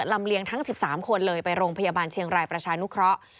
เลียงทั้ง๑๓คนเลยไปโรงพยาบาลเชียงรายประชานุเคราะห์